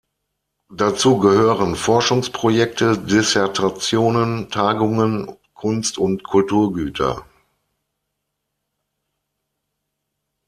Dazu gehören Forschungsprojekte, Dissertationen, Tagungen, Kunst und Kulturgüter.